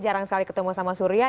jarang sekali ketemu sama surya